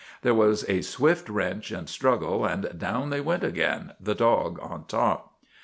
There was a swift wrench and struggle and down they went again, the dog on top.